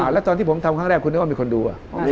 แล้วตอนที่ผมทำครั้งแรกคุณนึกว่ามีคนดู